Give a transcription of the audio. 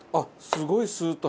すごいスーッと。